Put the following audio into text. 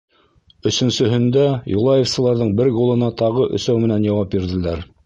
Өсөнсөһөндә юлаевсыларҙың бер голына тағы өсәү менән яуап бирҙеләр.